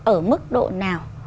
ở mức độ nào